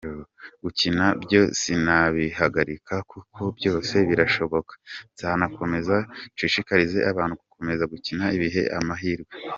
Gukina byo sinabihagarika kuko byose birashoboka, nzanakomeza nshishikarize abantu gukomeza gukina bihe amahirwe.